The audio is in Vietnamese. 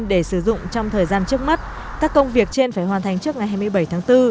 để sử dụng trong thời gian trước mắt các công việc trên phải hoàn thành trước ngày hai mươi bảy tháng bốn